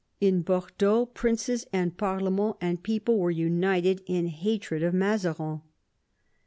In Bordeaux princes and parlement and people were united in hatred of Mazarin.